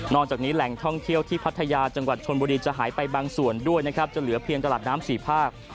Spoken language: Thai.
จากนี้แหล่งท่องเที่ยวที่พัทยาจังหวัดชนบุรีจะหายไปบางส่วนด้วยนะครับจะเหลือเพียงตลาดน้ำสี่ภาค